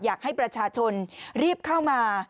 อยากให้ประชาชนรีบเข้ามา